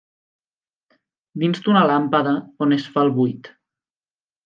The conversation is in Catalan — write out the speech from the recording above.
Dins d'una làmpada on es fa el buit.